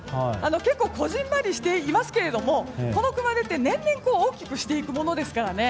結構小ぢんまりしていますけれどもこの熊手って年々大きくしていくものですからね。